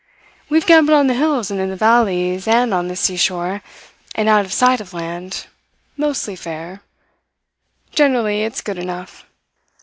We've gambled on the hills and in the valleys and on the sea shore, and out of sight of land mostly fair. Generally it's good enough.